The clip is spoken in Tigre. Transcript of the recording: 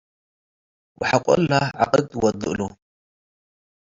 ወሐቆ እለ ዐቅድ ወዱ እሉ ።